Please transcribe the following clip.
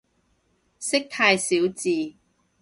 識太少字